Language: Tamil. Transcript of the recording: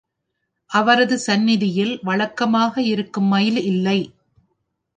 அவரது சந்நிதியில் வழக்கமாக இருக்கும் மயில் இல்லை.